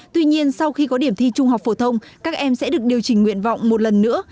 tuy nhiên sau khi có điểm thi trung học phổ thông các em sẽ được điều chỉnh nguyện vọng một lần nữa